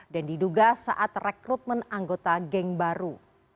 dan diduga saat rekrutmen anggota geng baru